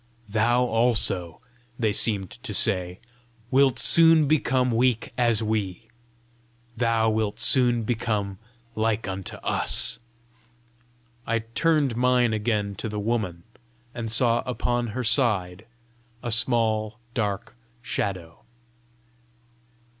"Thou also," they seemed to say, "wilt soon become weak as we! thou wilt soon become like unto us!" I turned mine again to the woman and saw upon her side a small dark shadow.